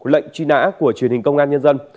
lệnh truy nã của truyền hình công an nhân dân